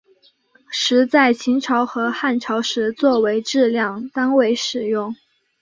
石在秦朝和汉朝时作为质量单位使用。